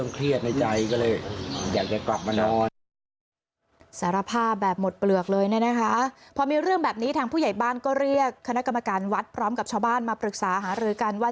กลับไปนอนที่บ้านดีกว่า